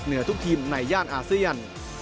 ทุกทีมในย่านอาเซียน